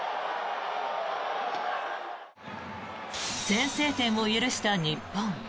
先制点を許した日本。